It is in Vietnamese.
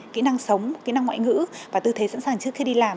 kỹ năng sống kỹ năng ngoại ngữ và tư thế sẵn sàng trước khi đi làm